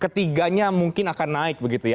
ketiganya mungkin akan naik begitu ya